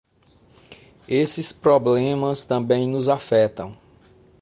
Esses problemas também nos afetam.